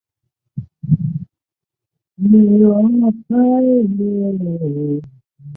优美凤丫蕨为裸子蕨科凤丫蕨属下的一个变种。